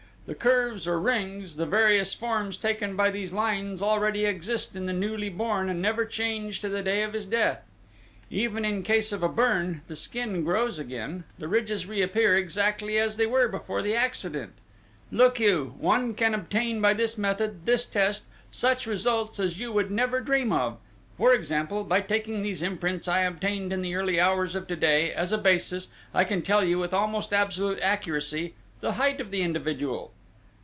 The curves or rings, the various forms taken by these lines already exist in the newly born and never change to the day of his death. Even in case of a burn, if the skin grows again, the ridges reappear exactly as they were before the accident. Look you, one can obtain by this method this test such results as you would never dream of. For example, by taking these imprints I obtained in the early hours of to day, as a basis, I can tell you, with almost absolute accuracy, the height of the individual...."